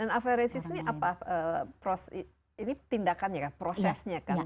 dan aparesis ini apa ini tindakannya kan prosesnya kan